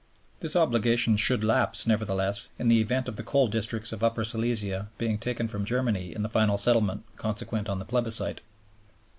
This obligation should lapse, nevertheless, in the event of the coal districts of Upper Silesia being taken from Germany in the final settlement consequent on the plebiscite.